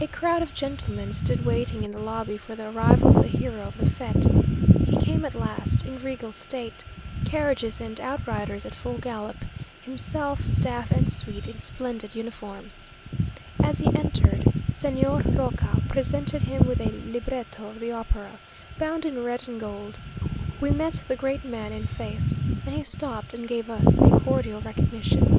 A crowd of gentlemen stood waiting in the lobby for the arrival of the hero of the fête. He came at last in regal state, carriages and outriders at full gallop; himself, staff and suite, in splendid uniform. As he entered, Señor Roca presented him with a libretto of the opera, bound in red and gold. We met the great man en face, and he stopped, and gave us a cordial recognition.